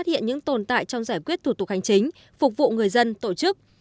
tổ chức đối với những tồn tại trong giải quyết thủ tục hành chính phục vụ người dân tổ chức